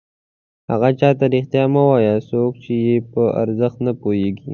هغه چاته رښتیا مه وایه څوک چې یې په ارزښت نه پوهېږي.